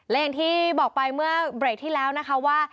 และอย่างที่บอกไปเมื่อเบรกที่แล้วนะคะว่า